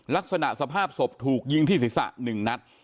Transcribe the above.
ลักษณะสภาพศพถูกยิงที่ศีรษะ๑นัด